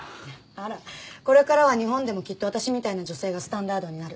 あらこれからは日本でもきっと私みたいな女性がスタンダードになる。